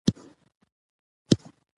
عمومي معلومات